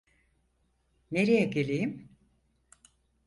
Nereye geleyim?